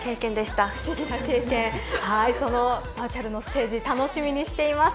そのバーチャルのステージ楽しみにしています。